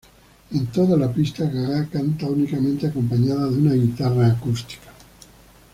En toda la pista, Gaga canta únicamente acompañada de una guitarra acústica.